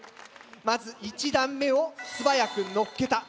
まず１段目を素早くのっけた。